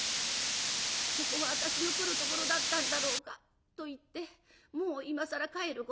「ここは私の来るところだったんだろうか。といってもう今更帰ることはできない。